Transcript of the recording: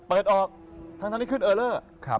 เปิดออกทั้งที่ขึ้นเออเลอร์